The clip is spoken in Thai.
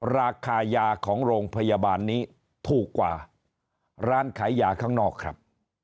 ราคายาของโรงพยาบาลนี้ถูกกว่าร้านขายยาข้างนอกครับ